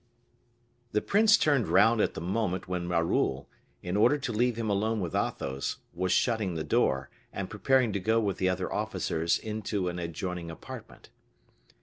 The prince turned round at the moment when Raoul, in order to leave him alone with Athos, was shutting the door, and preparing to go with the other officers into an adjoining apartment.